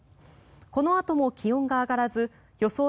このあとも気温が上がらず予想